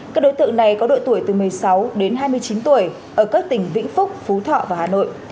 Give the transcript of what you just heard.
các đối tượng này có đội tuổi từ một mươi sáu đến hai mươi chín tuổi ở các tỉnh vĩnh phúc phú thọ và hà nội